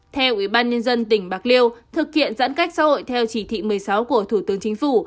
theo ubnd tỉnh bạc liêu thực hiện giãn cách xã hội theo chỉ thị một mươi sáu của thủ tướng chính phủ